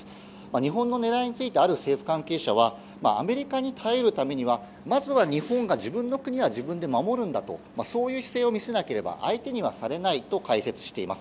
日本の狙いについてある政府関係者はアメリカに頼るためにはまずは日本が自分の国は自分で守るんだという姿勢を見せなければ相手にはされないと解説しています。